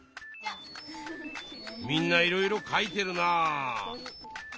みんないろいろ書いてるなあ。